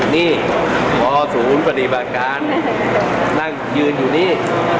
นี่มศูนย์ภาริบาคการนั่งยืนอยู่นี่